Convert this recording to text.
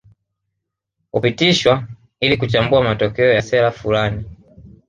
Hupitishwa ili kuchambua matokeo ya sera fulani